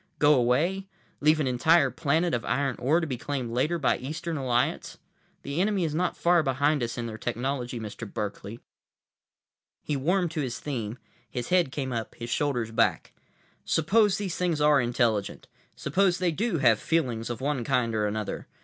Go away? Leave an entire planet of iron ore to be claimed later by Eastern Alliance? The enemy is not far behind us in their technology, Mr. Berkeley." He warmed to his theme, his head came up, his shoulders back. "Suppose these things are intelligent. Suppose they do have feelings of one kind or another.